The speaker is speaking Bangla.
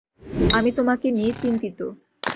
আমি তোমাকে নিয়ে চিন্তিত।